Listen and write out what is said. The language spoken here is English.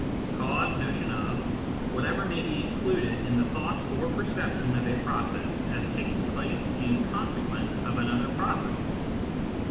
..." CAUSE (notion of). Whatever may be included in the thought or perception of a process as taking place in consequence of another process.